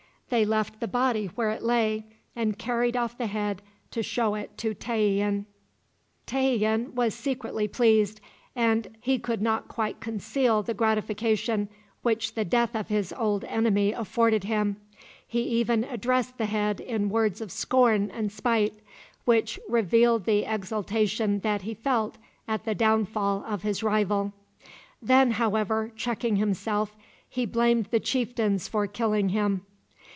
They left the body where it lay, and carried off the head to show it to Tayian. Tayian was secretly pleased, and he could not quite conceal the gratification which the death of his old enemy afforded him. He even addressed the head in words of scorn and spite, which revealed the exultation that he felt at the downfall of his rival. Then, however, checking himself, he blamed the chieftains for killing him.